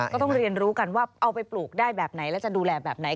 ก็ต้องเรียนรู้กันว่าเอาไปปลูกได้แบบไหนแล้วจะดูแลแบบไหน